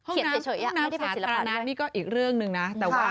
เขียนเฉยอ่ะไม่ได้เป็นศิลปะด้วยห้องน้ำสาธารณะนี่ก็อีกเรื่องหนึ่งนะ